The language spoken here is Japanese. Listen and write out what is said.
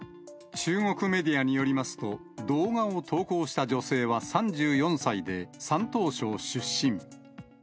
中国メディアによりますと、動画を投稿した女性は３４歳で、山東省出身。